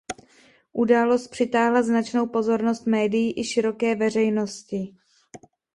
Událost přitáhla značnou pozornost médií i široké veřejnosti.